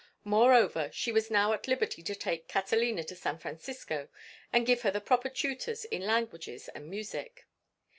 Moreover, she was now at liberty to take Catalina to San Francisco and give her the proper tutors in languages and music.